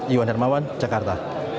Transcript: iwan hermawan jakarta